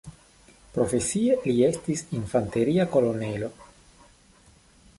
Profesie li estis infanteria kolonelo.